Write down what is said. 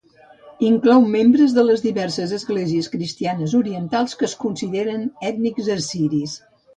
Inclou membres de les diverses esglésies cristianes orientals que es consideren ètnics assiris.